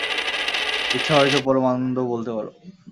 ইচ্ছা হয় তো পরমানন্দও বলতে পারো।